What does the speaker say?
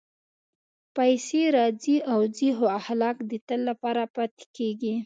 پېسې راځي او ځي، خو اخلاق د تل لپاره پاتې کېږي.